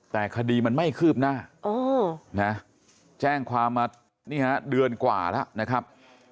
แต่คดีมันไม่คืบหน้าแจ้งความมานี่ฮะเดือนกว่าแล้วนะครับ